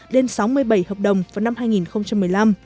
lên sáu mươi bảy hợp đồng vào năm hai nghìn một mươi năm